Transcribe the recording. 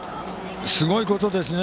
すごいことですね。